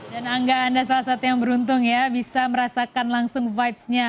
dan angga anda salah satu yang beruntung ya bisa merasakan langsung vibes nya